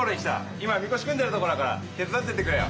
今みこし組んでるとこだから手伝ってってくれよ。